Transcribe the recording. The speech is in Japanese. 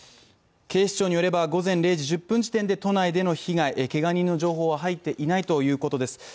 警視庁によれば午前０時１０分時点で都内での被害けが人の情報は入っていないということです。